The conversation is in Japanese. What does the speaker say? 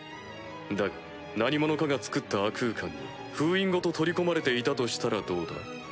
だが何者かがつくった亜空間に封印ごと取り込まれていたとしたらどうだ？